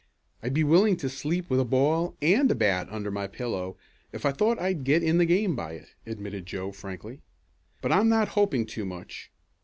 "I'd be willing to sleep with a ball and a bat under my pillow if I thought I'd get in the game by it," admitted Joe frankly. "But I'm not hoping too much.